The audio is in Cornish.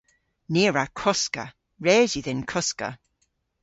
Ni a wra koska. Res yw dhyn koska.